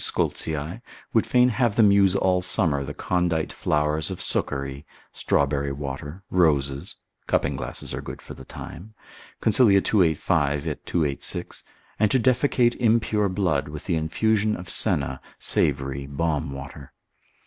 Scoltzii would fain have them use all summer the condite flowers of succory, strawberry water, roses (cupping glasses are good for the time), consil. 285. et 286. and to defecate impure blood with the infusion of senna, savory, balm water.